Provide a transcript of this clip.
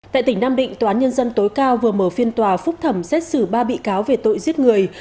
tại tỉnh nam định tòa án nhân dân tối cao vừa mở phiên tòa phúc thẩm xét xử ba bị cáo về tội giết người